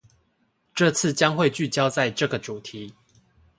這次將會聚焦在這個主題